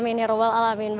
amin ya rohwal alamin